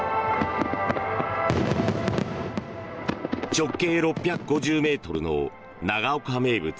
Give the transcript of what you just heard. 直径６５０ｍの長岡名物